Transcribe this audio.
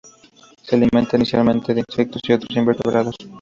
Se alimenta esencialmente de insectos y otros invertebrados.